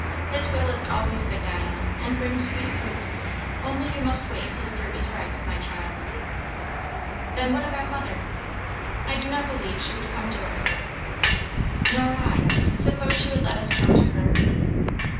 His will is always good, Diana, and brings sweet fruit; only you must wait till the fruit is ripe, my child." "Then what about mother?" "I do not believe she would come to us." "Nor I. Suppose she would let us come to her?"